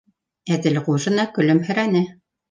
- Әҙелғужина көлөмһөрәне.